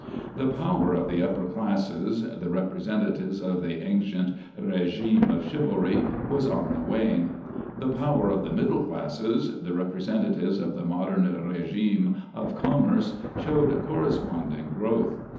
The power of the upper classes—the representatives of the ancient régime of chivalry—was on the wane; the power of the middle classes—the representatives of the modern régime of commerce—showed corresponding growth.